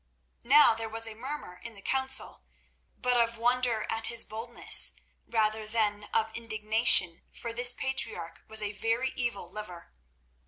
Now there was a murmur in the council, but of wonder at his boldness rather than of indignation, for this patriarch was a very evil liver.